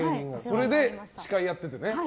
それで司会やっててね。